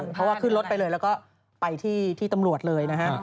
เพราะว่าขึ้นรถไปเลยเปิดไม่ได้เพราะว่าไปที่ตำรวจเลยนะฮะ